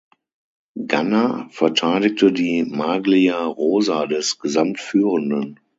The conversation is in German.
Ganna verteidigte die Maglia Rosa des Gesamtführenden.